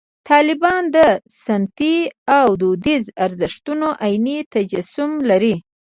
طالبان د سنتي او دودیزو ارزښتونو عیني تجسم لري.